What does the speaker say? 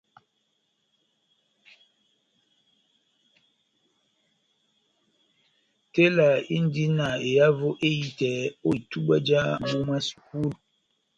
Tela indi na ehavo ehitɛ ó itubwa já mbúh mwá sukulu.